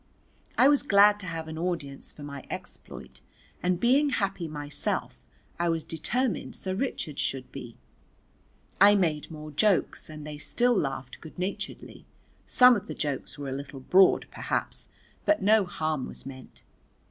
I was glad to have an audience for my exploit, and being happy myself I was determined Sir Richard should be. I made more jokes and they still laughed good naturedly; some of the jokes were a little broad perhaps but no harm was meant.